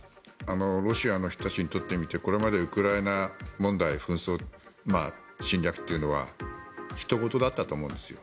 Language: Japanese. ロシアの人たちにとってみてこれまでウクライナ問題、紛争侵略というのはひと事だったと思うんですよ。